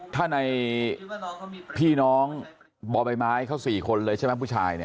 ถ้าในพี่น้องบ่อใบไม้เขา๔คนเลยใช่ไหมผู้ชายเนี่ย